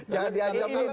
jangan di ancam